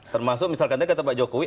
termasuk misalkan tadi kata pak jokowi